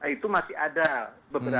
itu masih ada beberapa